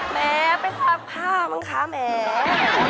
แหมไปสระผ้าบ้างคะแหม